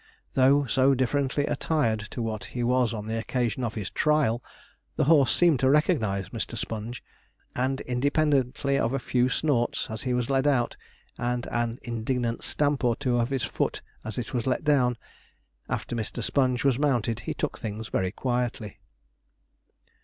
Though so differently attired to what he was on the occasion of his trial, the horse seemed to recognize Mr. Sponge, and independently of a few snorts as he was led out, and an indignant stamp or two of his foot as it was let down, after Mr. Sponge was mounted he took things very quietly.